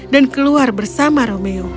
dan keluar bersama romeo